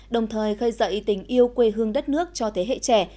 đồng thời khơi dậy tình yêu quê hương đất nước cho thế hệ trẻ